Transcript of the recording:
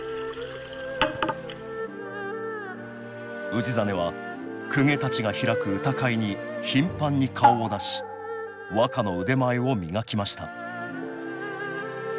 氏真は公家たちが開く歌会に頻繁に顔を出し和歌の腕前を磨きました